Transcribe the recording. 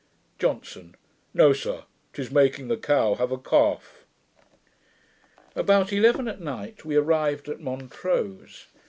JOHNSON. 'No, sir; 'tis making the cow have a calf.' About eleven at night we arrived at Montrose.